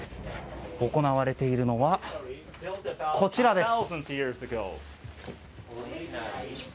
行われているのはこちらです。